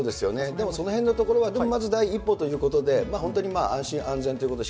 でもそのへんのところは、でもまず第一歩ということで、本当に安心安全ということ、